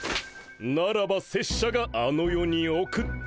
ならば拙者があの世に送って。